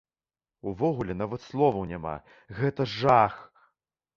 Увогуле, нават словаў няма, гэта жах!